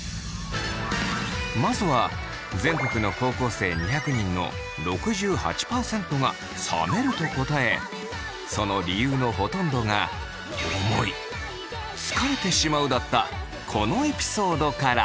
まずは全国の高校生２００人の６８％が冷めると答えその理由のほとんどがこのエピソードから。